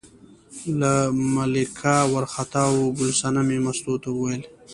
له ملکه وار خطا و، ګل صنمې مستو ته وویل.